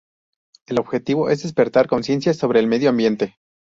El objetivo es despertar conciencia sobre el medio ambiente.